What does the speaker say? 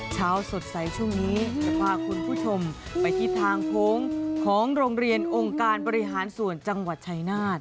เช้าสดใสช่วงนี้จะพาคุณผู้ชมไปที่ทางโค้งของโรงเรียนองค์การบริหารส่วนจังหวัดชายนาฏ